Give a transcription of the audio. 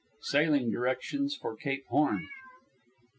Sailing directions for Cape Horn.